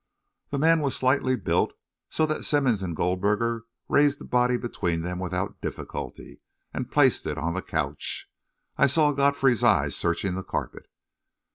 The man was slightly built, so that Simmonds and Goldberger raised the body between them without difficulty and placed it on the couch. I saw Godfrey's eyes searching the carpet.